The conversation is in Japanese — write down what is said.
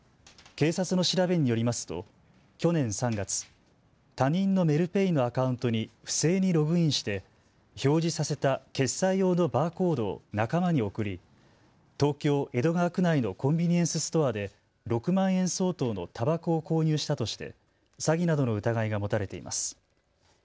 警察の調べによりますと去年３月、他人のメルペイのアカウントに不正にログインして表示させた決済用のバーコードを仲間に送り東京江戸川区内のコンビニエンスストアで６万円相当のたばこを購入したとして詐欺などの疑いが持たれています。